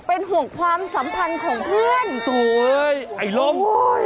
เป็นห่วงความสัมพันธ์ของเพื่อนโอ้ยไอ้ลมโอ้ย